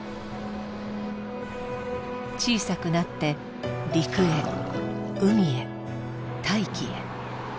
小さくなって陸へ海へ大気へ。